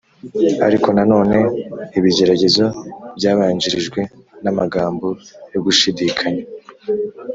Ariko na none ibigeragezo byabanjirijwe n’amagambo yo gushidikanya,